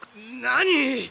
何！？